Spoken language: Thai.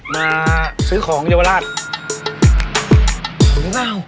มาซื้อของเยวิราช